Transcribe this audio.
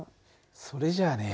それじゃあね